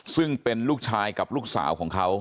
ซึ่งเป็นลูกชายกับลูกสาวของเขา